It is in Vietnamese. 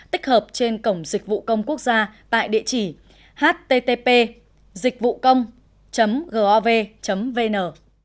tích hợp trên cổng dịch vụ công quốc gia tại địa chỉ http dịchvucông gov vn